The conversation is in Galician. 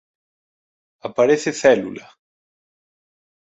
Aparece Célula.